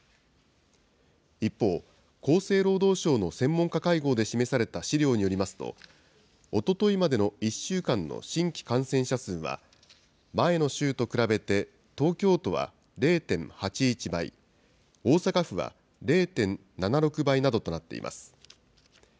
一方、厚生労働省の専門家会合で示された資料によりますと、おとといまでの１週間の新規感染者数は、前の週と比べて、東京都は０．８１倍、大阪府は０．７６倍などとなっています。